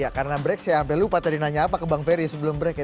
ya karena break saya sampai lupa tadi nanya apa ke bang ferry sebelum break ya